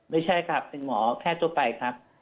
ไม่ใช่ครับเป็นหมอแพทย์ทั่วไปครับ